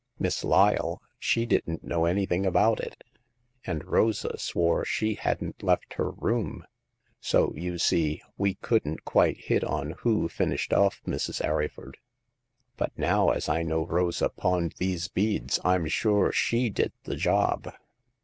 Miss Lyle, she didn't know anything about it, and Rosa swore she hadn't left her room, so, you see, we couldn't quite hit on who finished ofi Mrs. Arryford. But now as I know Rosa pawned these beads, I'm sure she did the job."